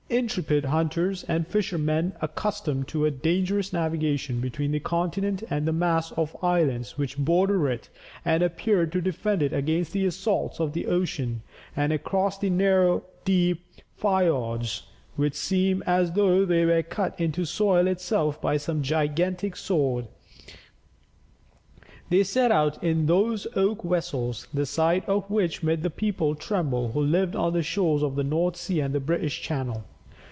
Intrepid hunters and fishermen, accustomed to a dangerous navigation between the continent and the mass of islands which border it and appear to defend it against the assaults of the ocean, and across the narrow, deep fiords, which seem as though they were cut into the soil itself by some gigantic sword, they set out in those oak vessels, the sight of which made the people tremble who lived on the shores of the North Sea and British Channel.